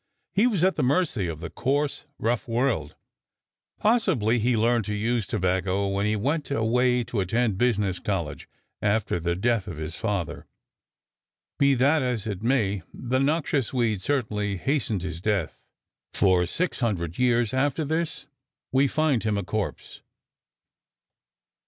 He was at the mercy of the coarse, rough world. Possibly he learned to use tobacco when he went away to attend business college after the death of his father. Be that as it may, the noxious weed certainly hastened his death, for 600 years after this we find him a corpse!